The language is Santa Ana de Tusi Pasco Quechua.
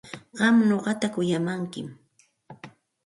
¿Qam nuqata kuyamanki?